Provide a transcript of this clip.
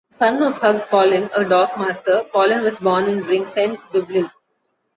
The son of Hugh Pollen, a dock master, Pollen was born in Ringsend, Dublin.